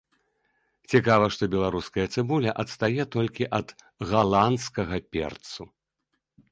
Цікава, што беларуская цыбуля адстае толькі ад галандскага перцу.